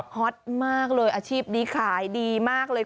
ฮอตมากเลยอาชีพนี้ขายดีมากเลย